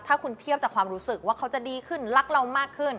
ถ้าคุณเทียบจากความรู้สึกว่าเขาจะดีขึ้นรักเรามากขึ้น